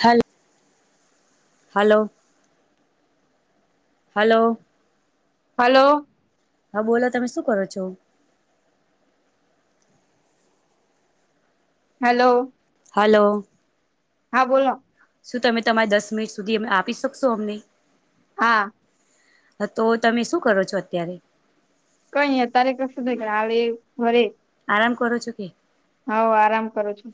હલ, hello, hello. Hello. હા બોલો, તમે શું કરો છો? હેલો. હલો. હા બોલો. શું તમે તમારે દસ મિનિટ સુધી અમ આપી શકશો અમને? હા. તો તમે શું કરો છો અત્યારે? કઈ નહિં અતારે કશું [unintelligible] આરામ કરું છો કે હોવ આરામ કરું છું.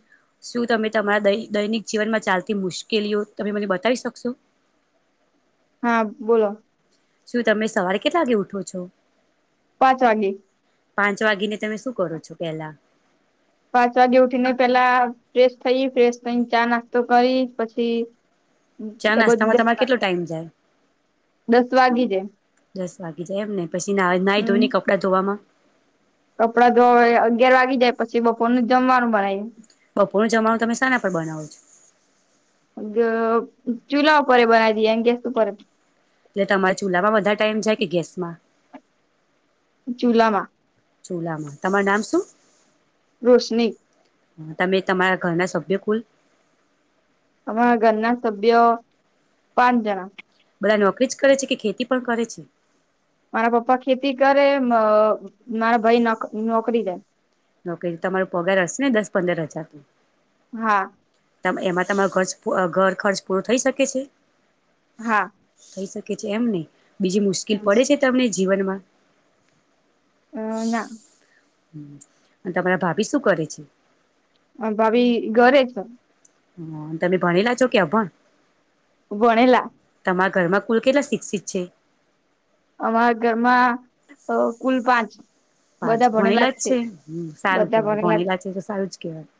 શું તમે તમારા દૈ દૈનિક જીવનમાં ચાલતી મુશ્કેલીઓ, તમે મને બતાઈ શકશો? હા બોલો. શું તમે સવારે કેટલા વાગે ઉઠો છો? પાંચ વાગે. પાંચ વાગી ને તમે શું કરો છો પેલા? પાંચ વાગે ઉઠી ને પેલા ફ્રેશ થઈ, ફ્રેશ થઈને ચા નાસ્તો કરી પછી ચા બધું નાસ્તામાં તમારે કેટલો ટાઈમ જાય? દસ વાગી જાય. દસ વાગી જાય એમને. પછી ના નાહી હમ ધોય ને કપડા ધોવામાં કપડાં ધવે અગિયાર વાગી જાય પછી બપોરનું જમવાનું બનાય. બપોરનું જમાનું તમે શના પર બનાવો છો? ગ ચૂલા ઉપેયે બનાવી દઈએ ગેસ ઉપચ એટલે તમારા ચૂલામાં વધારે ટાઈમ જાય કે ગેસમાં? ચૂલામાં ચૂલામાં, તમાર નામ શું? રોશની. તમે તમારા ઘરના સભ્યો કુલ. અમારા ઘરના સભ્ય પાંચ જણા. બધા નોકરી જ કરે છે, કે ખેતી પણ કરે છે? મારા પપ્પા ખેતી કરે મ મારા ભાઈ નોક નોકરી જાય. નોકરી તમારો પગાર હશે ને દસ પંદર હજાર હા તમ એમાં તમારો ઘરચ પૂ ઘર ખર્ચ પૂરો થઈ શકે છે? હા. કે જે એમ નહી. બીજી મુશ્કેલ પડે છે તમને? જીવનમાં. હ ના. હ અને તમારા ભાભી શું કરે છે. ભાભી ઘરે છે. હા તમે ભણી લ છો કે અભણ. ભણલા. તમારા ઘરમાં કુલ કેટલા શિક્ષિત છે. અમારા ઘરમાં કુલ પાંચ. પાંચ ભણેલા જ છે હ સારું ભણેલા છે તો સારું જ કેહેવાય.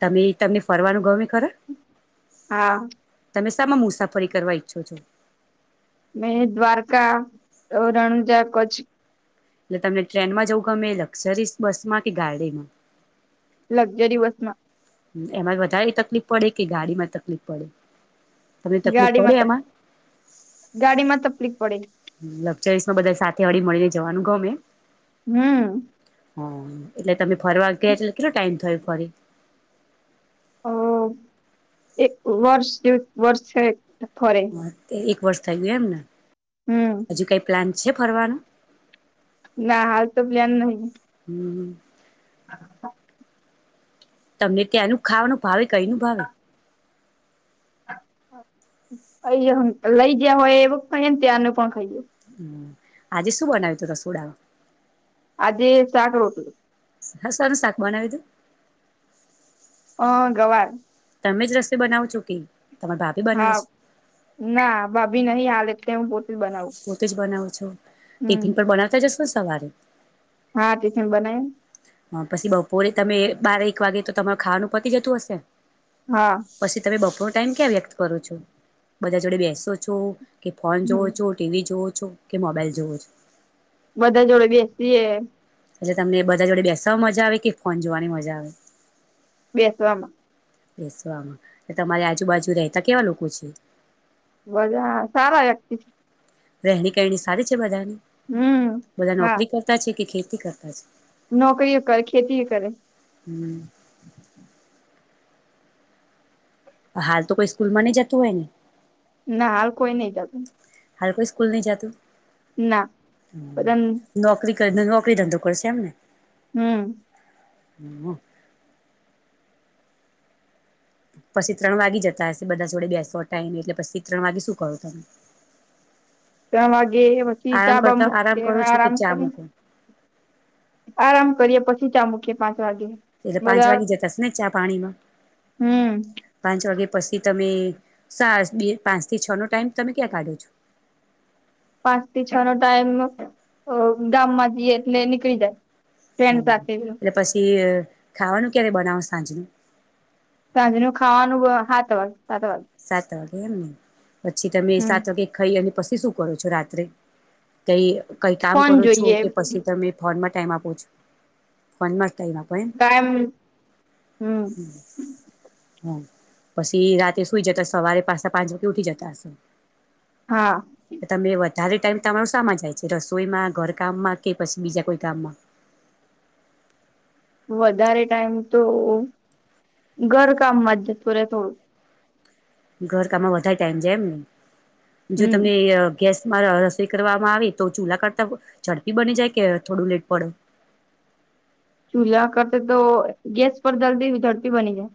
તમે તમને ફરવાનું ગમે ખરા હા. હમેશામાં મુસાફરી કરવા ઈચ્છો છો.. મે દ્વારકા રણુજા કચ્છ. એટલે તમને ટ્રેનમાં જવું ગમે લક્ઝરીસ બસમાં કે ગાડીમાં. જ દિવસ માં. એમાં વધારે તકલીફ પડે કે ગાડી માં તકલીફ પડે. તમને તકલીફ પડે ગાડીમાં એમાં તકલીફ ગાડીમાં તકલીફ પ ડે. લક્સરી માં બધા સાથે હરિમરી જવાનું ગમે હમ્મ. હ એટ તમે ફરવા ગયા એટલે કેટલો ટાઈમ થયો. કરી હ એક વર્ષ જેવ વર્ષ છે. એક વર્ષ થય ગયા એમ ને હમ હજુ કઈ પ્લાન. છે ફરવાનું. ના હાલ તો પ્લાન નહી. હમ્મ. તમને ત્યાંનું ખાવાનું ભાવે કઈ અયનું ભાવે? આયા લઈ ગયા હોય એવુ ખાઈ ત્યાં નું પણ ખાઈ. હમ્મ આજે શું બનાવ્યું તુ રસુડા આજે શાક રોટલી. હસવાનું શાક બનાવી તું. હા ગવાર. તમે જ રસોઈ બનાવ છો કે? તમારા ભાભી બનાવે હા છે ના ભાભી નહી હાલે. તેઈ બ. પોતે જ બનાવો છો હમ ટિફિન પર બનાવતા જશે. સવારે. હા ટિફિન બનાયે. હ પછી બપોરે તમે બાર એક વાગે તો તમારું ખાવાનું પતી જતું હશે. હા પછી તમે બપોર ટાઈમ ક્યાં વ્યક્ત કરું છો? બધા જોડે બેસો છો? કે ફોન જોવો હમ છો ટીવી જોવો? કે મોબાઈલ જોવો છે બધા જોડે બેસીસીએ એટલે તમને બધા જોડે બેસવા મજા આવે કે ફોન જોવાની મજા આવે બેસવામાં બેસવામાં તમારી આજુબાજુ રહેતા કેવા લોકો છે મજા સારા એક રહેણી કહેણી સારી છે બધાની હમ બધા હા નોકરી કરતા છે કે ખેતી કરતા નોકરીઓ કરે ખેતી કરે હમ્મ હાલ તો કોઈ સ્કૂલ માં ન જતું હોય નને. ના હાલ કોઈ નહી જતું. હાલ કોઈ સ્કલ નહી જતું. ના બધા નોકરી નોકરી ધંધો કરશે એમને હમ્મ હમ્મ પછી ત્રણ વાગે જતા હશે બધા જોડે બેસો ટાઈમે એટલે પછી ત્રણ વાગે શું કરો તમે. ત્રણ વાગે પછી આરામ [unintelligible] કરતા આરામ મૂકી કરો છો કે આરામ ચા કરી. મૂકો આરામ કરીએ પછી ચા મૂકીએ પાંચ વાગે એટલે પાંચ બધા વાગે જતાશે ને ચા પાણીમાં હમ પાંચ વાગે પછી તમે સા બે પાંચ થી છ નો ટાઈમ તમે ક્યાં કાઢો છો. પાંચ થી છ નો ટાઈમ ગામમાં જઈએ એટલે નીકળી જાય. હ ફ્રેન્ડ સાથે એટલે પછી ખાવાનું ક્યારે બનાવશે. હા જ. સાંજ નું ખાવાનું હાત વાગે સાત વાગે એમને. પછી તમે હમ સાત વાગે ખાઈ અને. પછી શું કરો છો રાત્રે કઈ. કઈ કામ ફોન કરો છો જોઈએ કે પછી તમે ફોન માં. ટાઈમ આપું છું ફોનમાં. ટાઈમ આપો એમ કમ હમ. હમ પછી રાતે. શુઈ જતા સવારે પાજા પાંચ વાગે ઉઠી જતા હશે. હા. તારો ટાઈમ તમારો સામા જાયે છે રસોઈમાં ઘરકામમાં કે પછી બીજા કોઈ કામમાં. વધારે ટાઈમ તો ઘર કામમાં જ જતો હોઈ ઘર કામમાં વધારે ટાઈઇમ જાય એમ જો હમ તમે ગેસમાં રસોઈ કરવામાં આવી તો ચૂલા કરતા ઝડપી બની જાય કે થોડું લેટ પડે. ચૂલ્હા કરતા તો ગેસ પર જલ્દી ઝડપી બની જાય.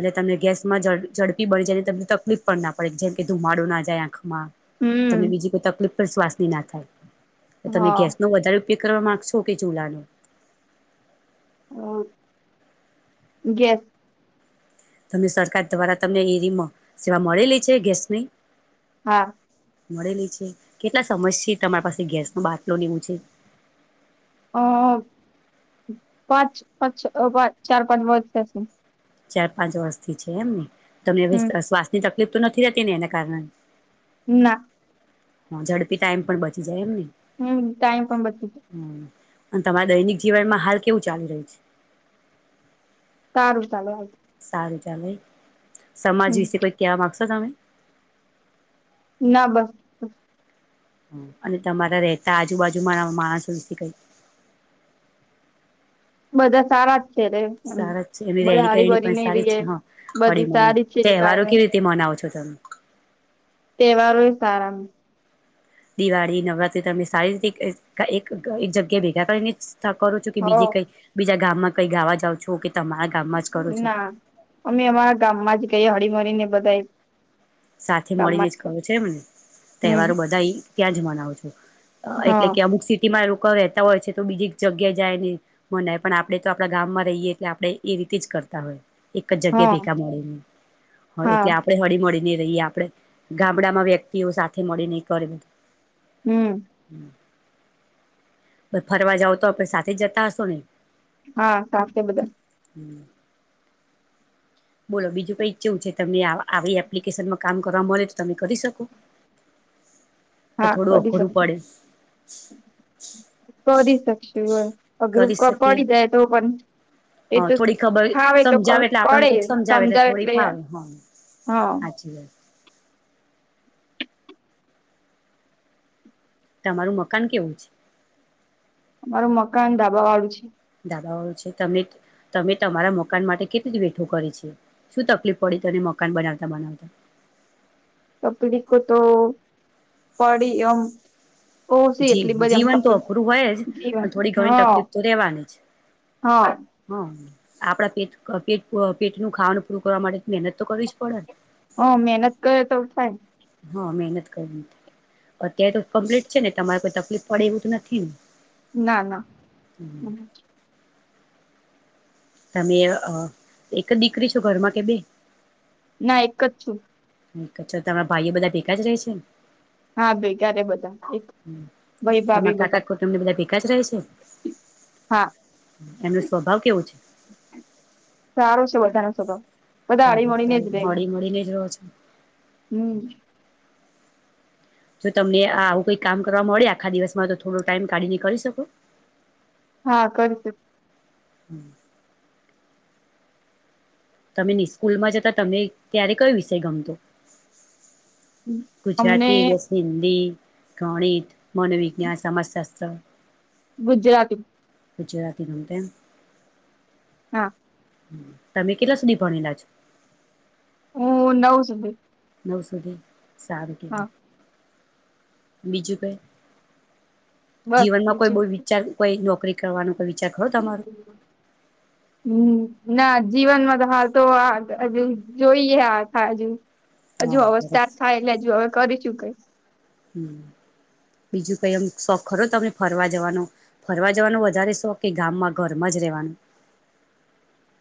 એટલે તમ ગેસમાં ઝડ ઝડપી બની જાય ને તમને તકલીફ પણ ના પડે જેમ કે ધુમાડું ના જાય આંખ મા તમને હમ બીજી કોઈ તકલીફ. શ્વાસની ના થાય. તો તમે હા ગેસ નો વધારે કરવા માંગશો કે ચૂલાનું. અ ગેસ. તમે સરકાર દ્વારા તમને એલી મ સેવા મળેલી છે ગેસની. હા. મળેલી છે કેટલા સમસ સે તમારા પાસે ગેસ નો બાટલો લેવું છે. અ પાંચ, પાંચ, અ પાંચ ચાર પાંચ વત થીયા સે. ચાર પાંચ વર્ષથી છે એમને. તમે વી હમ શ્વાસની તક લિપ નથી રહેતી ને એના કારણે. ના. હ ઝડપી ટાઈમ પણ બચી જાય એમને. હમ્મ ટાઈમ પણ બચી હમ અને તમારા દૈનિક જીવનમાં હાલ કેવું ચાલી રહ્યું છે. સારું ચાલે. સારું ચાલે. સમાજ હમ વિશે કોઈ ક્યા માગશે. તમે ના બસ અને તમારા રહેતા આજુબાજુમાં માણસોથી વિષ કઈ બધા સારા છે રે એમ સારા જ છે એની બધા રહેણી હારી કરણી પણ ભરીને સારી રહીએ હ હળી બધી મળી સારી છે તહેવારો કાયમે કેવી રીતે મનાવો છો કદમ તહેવારો એ સારા દિવાળી નવરાત્રી તમે સારી રીતે એક એક જગ્યાએ ભેગા કરીને કરો છો કે હો બીજે કઈ બીજા ગામમાં કઈ ગાવા જાવ છો કે તમારા ગામમાં જ કરો છો ના અમે અમારા ગામમાં જ ગઈ હળીમરી ને બધા સાથે મળીને જ ક છે એમને તહેવારો હમ બધા ત્યાં જ મનાવો છો એટલે હા કે અમુક સિટી માં લોકો રહેતા હોય છે તો બીજી એક જગ્યા જાય ને મનાય પણ આપણે તો આપણા ગામમાં રહીએ એટલે આપણે એ રીતે જ કરતા હોય એક જ જગ્યા હા ભેગા મળે ને હ હા એટલે આપડે હળી મળી રહીએ આપણે ગામડામાં વ્યક્તિઓ સાથે મળીને કરે હમ્મ બ ફરવા જઓ તો આપણે સાથે જ જતા હશો ને હા [unintelligible] બદલ બોલો બીજું કઈ ઈછવું છે તમને આવી એપ્લિકેશનમાં કામ કરવા મળે તો તમે કરી શકો? કે હા થોડું કરી અઘરું શકું, પડે કરીશ. સાક્ષી હોય. અઘરું કરી પ શકીએ પડી જાય તો પણ એ હા તો થોડી ખબર ખાવે તો સમજાવે એટલે આપણને પડ કોઈક પડે સમજાવે થોડી એટલે, ફાવે હા હા. સાચી વાત તમારું મકાન કેવું છે? અમારો મકાન દાબા વાળું છે. પછી તમે તમે તમારા મકાન માટે કેટલુ વઠું કરી છે? શું તકલીફ પડી તને મકાન બનાવતા બનાવતા? તપલીકો તો પડી આમ. ઓછી જી એટલી બધી જીવન તો તકલીફ અઘરું હોય જ જીવન પણ થોડી ઘણી હા તકલીફ તો રહેેવાની જ. હા હા. આપણા પેટ પેટ પેટનું ખાવાનું પૂરું કરવા માટે મહેનત તો કરવી જ પડે ને. હ મહેનત કરે તો થાય. હા મહેનત કરવી અત્યારે તો કમ્પ્લીટ છે ને તમારે કોઈ તકલીફ પડે એવું તો નથી ને? ના ના. તમે અ એક દીકરી છો ઘરમાં કે બે? ના એક જ છું. છ તમારા ભાઈઓ બધા ભેગા જ રહે છે ને? હા ભાઈ ક્યારે બધા એક ભાઈ ભાભી તમારા બધા. કાકા કુટુંબને બધા ભેગા જ રહે છે હા, એમનો સ્વભાવ કેવો છે સારું છે બધાનું [unintelligible] [unintelligible] સારું. હળી મળી ને જ રહો છો. હમ જો તમને આ આવું કાઈ કામ કરવા મળે આખા દિવસમાં, તો થોડો ટાઈમ કાઢીને કરી શકો? હા કરી શકું. તમે નિ સ્કૂલ માં જતા તમને ત્યારે કયો વિષય ગમતો? અમને ગુજરાતી બસ હિન્દી ગણિત મનોવિજ્ઞાન સમસ્ત ત ગુજરાતી ગુજરાતી અને હા. તમે કેટલા સુધી ભણેલા છો? હું નવ સુધી. નવ સુધી. સારું હા [unintelligible] બીજું કઈ? બસ જીવનમાં કોઈ બીજું બોવ વિચાર કોઈ નો નોકરી કરવાનું એવો વિચાર ખરો તમારું હમ ના જીવનમાં તો હાલ તો આ અજ જોઈએ આખા હજુ. હજુ હા [unintelligible] સરસ થાય એટલે હજુ હવે કરીચું કઈ. બીજું કઈ એમ શોખ ખરો તમને ફરવા જવાનો, ફરવા જવાનો વધારે શોખ કે ગામમાં ઘરમાં જ રહેેવાનું?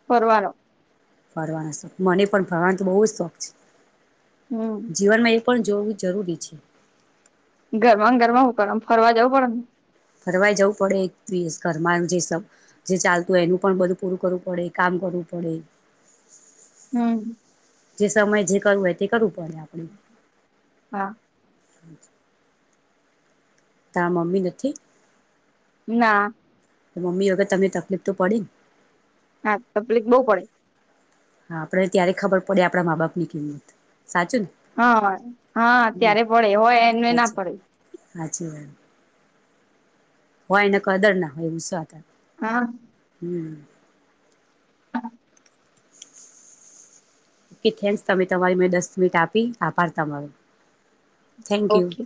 ફરવાનો. ફરવાનો શોખ, મને પણ ફરવાનું તો બહુ જ શોખ છે. હમ જીવનમાં એક પણ જોવું જરૂરી છે. ઘરમાં ને ઘરમાં હું કરો ફરવા જાવું પડે ફરવાઈ જવું પડે [unintelligible] ઘરમાં જે [unintelligible] જે ચાલતું હોય એનું પણ બધું પૂરું કરવું પડે, કામ કરવું પડે. હમ્મ. જે સમયે જે કરવું હોય એ તે કરવું. [unintelligible] હા તા મમ્મી નથી? ના. મમ્મી વગર તને તકલીફ તો પડી? હા તફલીક બહુ પડે. હા આપણે ત્યારે ખબર પડે આપણા મા બાપ ની કિંમત. સાચું ને હા, હા, હા હમ ત્યારે પડે હોય એનુંય ના પડે. હાચી વાત. હોય ને કદર ના હોય એવુંસાતે હા. હમ્મ. કે થેન્ક્સ તમે તમારી મેં દસ મિનિટ આપી આભાર તમારો. Thank you. ઓકે